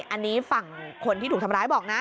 อันนี้ฝั่งคนที่ถูกทำร้ายบอกนะ